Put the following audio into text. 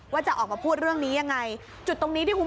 ว่าจะออกมาพูดเรื่องนี้ยังไง